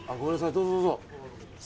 どうぞ、どうぞ。